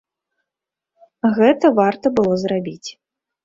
Гэта варта было зрабіць.